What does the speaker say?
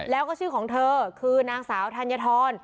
แล้วก็ชื่อของเธอคือนางสาวธัญฑร